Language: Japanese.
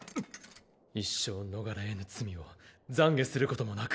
一生逃れえぬ罪を懺悔することもなく。